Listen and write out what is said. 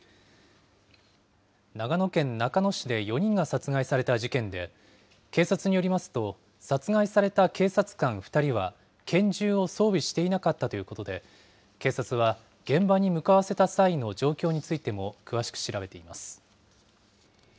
長野県中野市で４人が殺害された事件で、警察によりますと、殺害された警察官２人は、拳銃を装備していなかったということで、警察は現場に向かわせた際の状況についても、詳しく調べています。